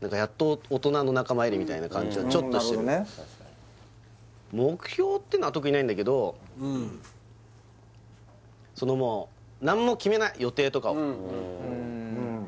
何かやっと大人の仲間入りみたいな感じはちょっとしてる目標ってのは特にないんだけどそのもう何も決めない予定とかをうんうん